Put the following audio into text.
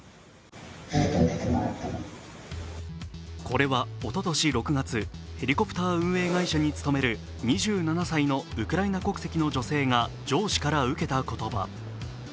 これはおととし６月、ヘリコプター運営会社に勤める２７歳のウクライナ国籍の女性が上司から受けた言葉。